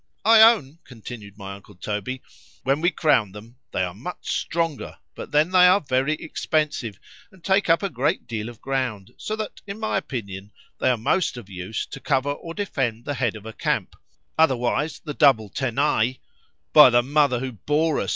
—I own, continued my uncle Toby, when we crown them,—they are much stronger, but then they are very expensive, and take up a great deal of ground, so that, in my opinion, they are most of use to cover or defend the head of a camp; otherwise the double tenaille—By the mother who bore us!